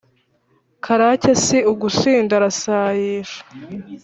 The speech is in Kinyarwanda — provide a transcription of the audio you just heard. karake si ugusinda arasayisha